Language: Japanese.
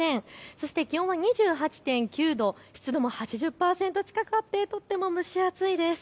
そして気温は２８．９度、湿度も８０％近くあってとても蒸し暑いです。